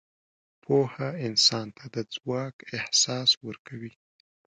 پوهه انسان ته د ځواک احساس ورکوي.